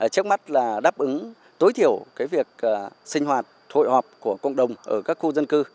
trước mắt là đáp ứng tối thiểu việc sinh hoạt hội họp của cộng đồng ở các khu dân cư